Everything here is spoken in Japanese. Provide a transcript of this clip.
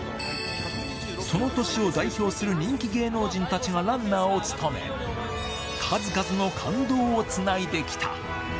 その年を代表する人気芸能人たちがランナーを務め、数々の感動をつないできた。